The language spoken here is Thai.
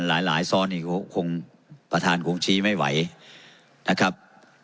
หลายหลายซ้อนนี่คงประธานคงชี้ไม่ไหวนะครับ